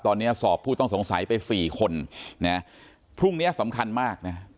ตอนนี้สอบผู้ต้องสงสัยไปสี่คนนะพรุ่งเนี้ยสำคัญมากนะ